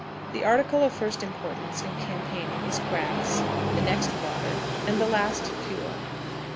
The article of first importance in campaigning is grass, the next water, and the last fuel.